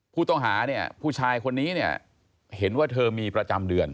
ผู้ต้องหาเนี่ยผู้ชายคนนี้เนี่ยเห็นว่าเธอมีประจำเดือน